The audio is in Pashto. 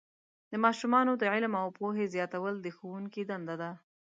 د ماشومانو د علم او پوهې زیاتول د ښوونکو دنده ده.